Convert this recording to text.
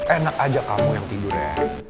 enak aja kamu yang tidur ya